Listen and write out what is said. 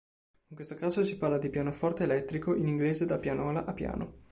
In questo caso si parla di "pianoforte elettrico", in inglese da pianola a piano.